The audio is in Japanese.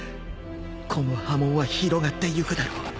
この波紋は広がってゆくだろう。